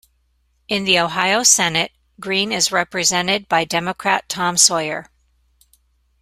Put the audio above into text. In the Ohio Senate, Green is represented by Democrat Tom Sawyer.